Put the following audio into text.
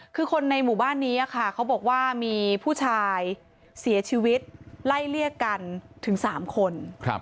คือคนในหมู่บ้านนี้ค่ะเขาบอกว่ามีผู้ชายเสียชีวิตไล่เลี่ยกันถึง๓คน